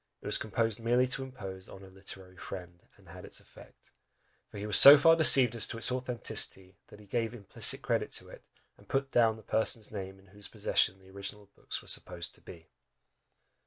It was composed merely to impose on 'a literary friend,' and had its effect; for he was so far deceived as to its authenticity, that he gave implicit credit to it, and put down the person's name in whose possession the original books were supposed to be."